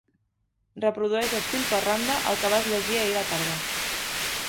Reprodueixes fil per randa el que vas llegir ahir a la tarda.